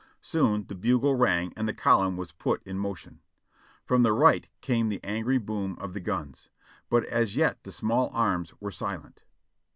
Soon the bugle rang and the column was put in motion. From the right came the angry boom of the guns; but as yet the small arms were silent.